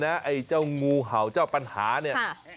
แล้วก็ใส่เนื้องูลงไปคุกเขากับพริกแกงที่ปรุงจนเสร็จ